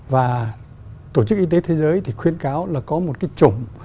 và tổ chức y tế thế giới thì khuyến cáo là có một cái chủng